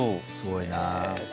すごいな。